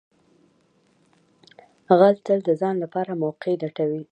غل تل د ځان لپاره موقع لټوي